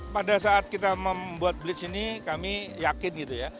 pada saat kita membuat bleach ini kami yakin gitu ya